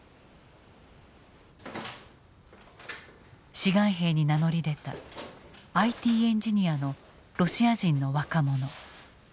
志願兵に名乗り出たＩＴエンジニアのロシア人の若者。